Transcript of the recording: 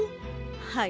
はい。